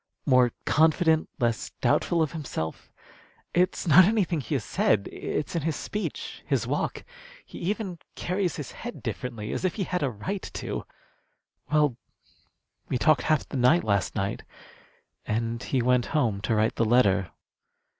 "More confident, less doubtful of himself. It's not anything he has said. It's in his speech, his walk. He even carries his head differently, as if he had a right to. Well, we talked half the night last night, and he went home to write the letter.